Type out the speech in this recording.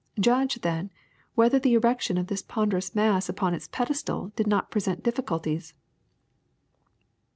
Judge, then, whether the erection of this ponderous mass upon its pedestal did not present difficulties.